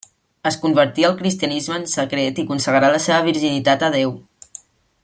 Es convertí al cristianisme en secret i consagrà la seva virginitat a Déu.